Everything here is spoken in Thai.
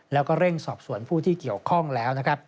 แล้วก็เร่งสอบสวนผู้ที่เกี่ยวข้องแล้วนะครับ